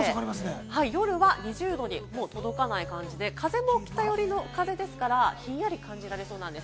夜は２０度に届かない感じで、風も北寄りの風ですから、ひんやり感じられそうなんです。